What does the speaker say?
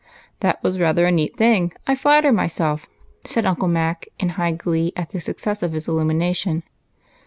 117 " That was rather a neat thing, I flatter myself," said Uncle Mac in high glee at the success of his iUumination.